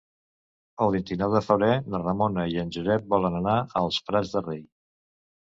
El vint-i-nou de febrer na Ramona i en Josep volen anar als Prats de Rei.